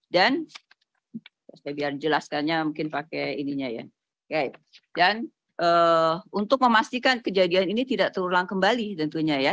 dan untuk memastikan kejadian ini tidak terulang kembali tentunya